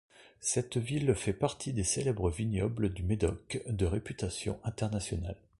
Cette ville fait partie des célèbres vignobles du Médoc, de réputation internationale.